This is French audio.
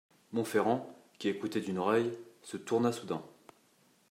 Monferrand, qui écoutait d'une oreille, se tourna soudain.